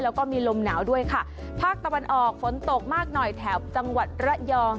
แล้วก็มีลมหนาวด้วยค่ะภาคตะวันออกฝนตกมากหน่อยแถบจังหวัดระยอง